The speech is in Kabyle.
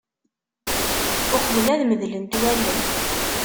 Uqbel ad medlent walen.